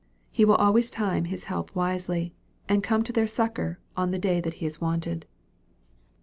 He will always time His help wisely, and come to their succor in the day that He is wanted.